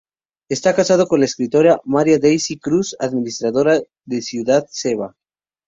Está casado con la escritora Mara Daisy Cruz, administradora de Ciudad Seva.